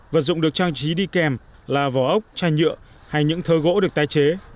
vật dụng được trang trí đi kèm là vỏ ốc chai nhựa hay những thơ gỗ được tái chế